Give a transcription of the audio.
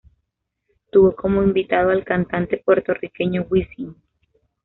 Tuvo como invitado al cantante puertorriqueño Wisin.